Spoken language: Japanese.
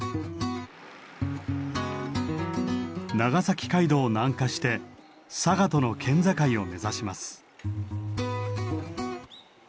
長崎街道を南下して佐賀との県境を目指します。